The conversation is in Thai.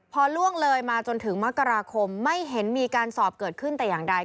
พอล่วงเลยมาจนถึงมกราคมไม่เห็นมีการสอบเกิดขึ้นแต่อย่างใด